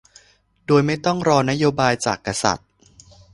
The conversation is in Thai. โดยไม่ต้องรอนโยบายจากกษัตริย์